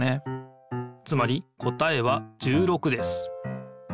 つまり答えは１６です。